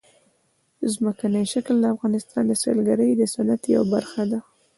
ځمکنی شکل د افغانستان د سیلګرۍ د صنعت یوه برخه ده.